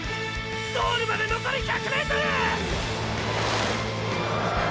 ゴールまでのこり１００ｍ！！